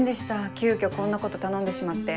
急遽こんなこと頼んでしまって。